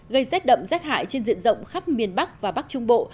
gây rét đậm rét hại trên diện rộng khắp miền bắc và bắc trung bộ